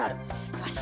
よし。